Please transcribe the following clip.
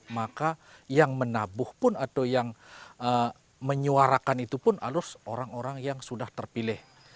maka yang menabuh pun atau yang menyuarakan itu pun harus orang orang yang sudah terpilih